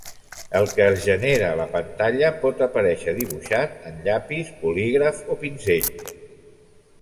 El que es genera a la pantalla pot aparèixer dibuixat en llapis, bolígraf, o pinzell.